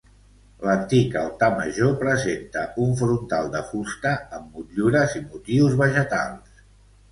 L'antic altar major presenta un frontal de fusta amb motllures i motius vegetals.